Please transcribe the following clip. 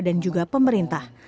dan juga pemerintah